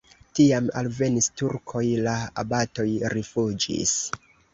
Tiam alvenis turkoj, la abatoj rifuĝis.